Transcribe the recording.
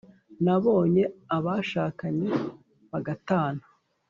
nabonye abashakanye bagatana